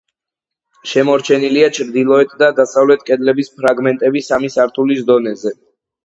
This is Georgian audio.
შემორჩენილია ჩრდილოეთ და დასავლეთ კედლების ფრაგმენტები სამი სართულის დონეზე.